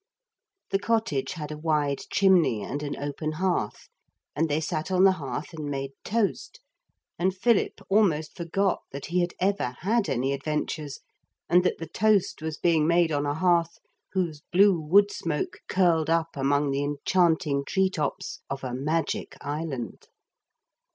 The cottage had a wide chimney and an open hearth; and they sat on the hearth and made toast, and Philip almost forgot that he had ever had any adventures and that the toast was being made on a hearth whose blue wood smoke curled up among the enchanting tree tops of a magic island.